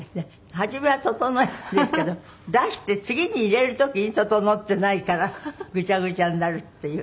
初めは整えるんですけど出して次に入れる時に整ってないからぐちゃぐちゃになるっていう。